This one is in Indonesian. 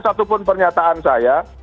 satupun pernyataan saya